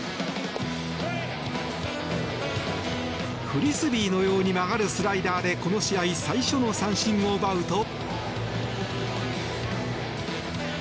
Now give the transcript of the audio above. フリスビーのように曲がるスライダーでこの試合最初の三振を奪うと。